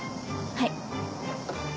はい。